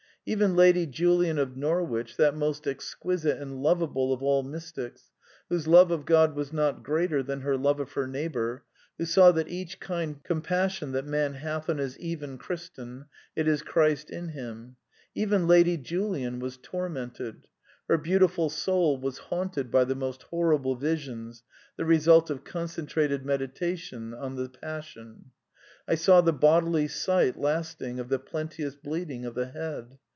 *^ Even Lady Julian of Norwich, that most exquisite and ^^ ^Jovable of all mystics, whose love of God was not greater than her love of her neighbour, who saw " that each kind compassion that man hath on his even Christen it is Christ in him," even Lady Julian was tormented. Her beautiful soul was haunted by the most horrible visions, the result of concentrated meditation on the Passion. " I saw the bodily sight lasting of the plenteous bleeding of the Head.